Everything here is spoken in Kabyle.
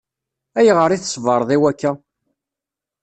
Ayɣer i tṣebreḍ i wakka?